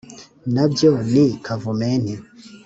Nabyo ni Kavumenti :